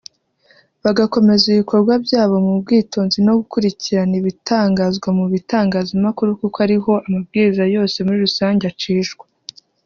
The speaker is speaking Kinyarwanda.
bagakomeza ibikorwa byabo mu bwitonzi no gukurikirana ibitangazwa mu bitangazamakuru kuko ari ho amabwiriza yose muri rusanjye acishwa